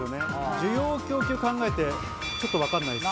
需要と供給を考えて、ちょっとわからないです。